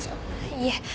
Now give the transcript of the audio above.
いえ。